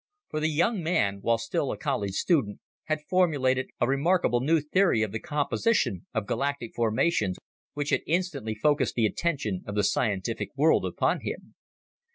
For the young man, while still a college student, had formulated a remarkable new theory of the composition of galactic formations which had instantly focused the attention of the scientific world upon him.